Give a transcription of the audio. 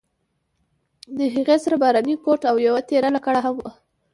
د هغې سره باراني کوټ او یوه تېره لکړه هم وه.